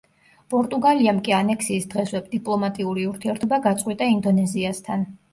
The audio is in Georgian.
პორტუგალიამ კი ანექსიის დღესვე დიპლომატიური ურთიერთობა გაწყვიტა ინდონეზიასთან.